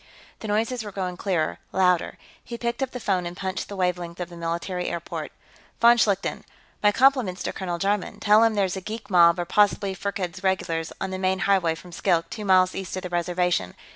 The noises were growing clearer, louder. He picked up the phone and punched the wavelength of the military airport. "Von Schlichten, my compliments to Colonel Jarman. Tell him there's a geek mob, or possibly Firkked's regulars, on the main highway from Skilk, two miles east of the Reservation.